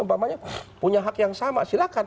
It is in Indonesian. umpamanya punya hak yang sama silakan